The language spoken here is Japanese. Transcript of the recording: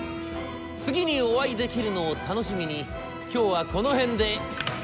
次にお会いできるのを楽しみに今日はこの辺で失礼をさせて頂きます。